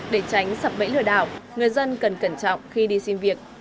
để tránh sập bẫy lừa đảo người dân cần cẩn trọng khi đi xin việc